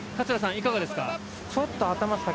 いかがですか？